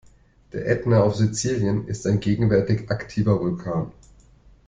Der Ätna auf Sizilien ist ein gegenwärtig aktiver Vulkan.